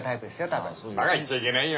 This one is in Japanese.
バカ言っちゃいけないよ！